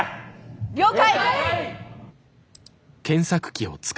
了解！